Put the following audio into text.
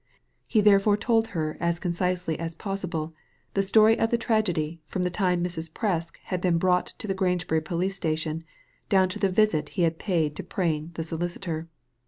He therefore told her as concisely as possible the story of the tragedy from the time Mrs. Presk had been brought to the Grangebury police station, down to the visit he had paid to Prain the solicitor.